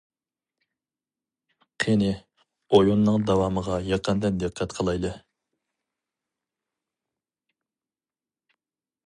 قېنى ئويۇننىڭ داۋامىغا يېقىندىن دىققەت قىلايلى.